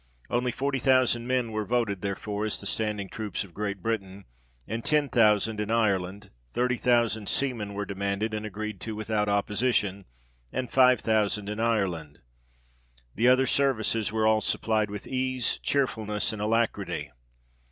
Only forty thousand men were voted, therefore, as the standing troops of Great Britain ; and ten thousand in Ireland ; thirty thousand seamen were demanded, and agreed to without opposition ; and five thousand in Ireland. The other services were all supplied with ease, chearfulness and alacrity.